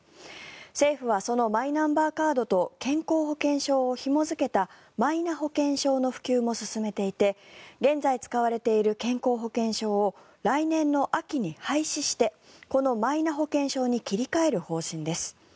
政府はそのマイナンバーカードと健康保険証をひも付けたマイナ保険証の普及も進めていて現在使われている健康保険証を来年の秋に廃止してこのマイナ保険証に切り替える方針です。